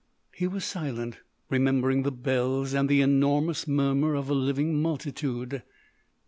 He was silent, remembering the bells and the enormous murmur of a living multitude.